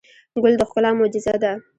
ګل د ښکلا معجزه ده.